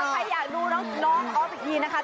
ใครอยากรู้น้ออ๊อฟวิทยีนะคะ